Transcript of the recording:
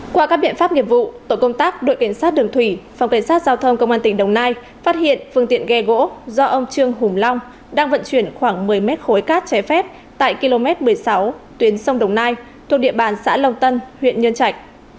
qua các biện pháp nghiệp vụ tổ công tác đội kiểm soát đường thủy phòng cảnh sát giao thông công an tỉnh đồng nai phát hiện phương tiện ghe gỗ do ông trương hùng long đang vận chuyển khoảng một mươi mét khối cát trái phép tại km một mươi sáu tuyến sông đồng nai thuộc địa bàn xã long tân huyện nhân trạch